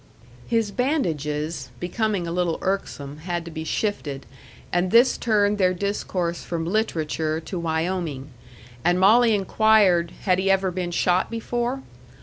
His bandages, becoming a little irksome, had to be shifted, and this turned their discourse from literature to Wyoming; and Molly inquired, had he ever been shot before?